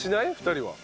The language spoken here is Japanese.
２人は。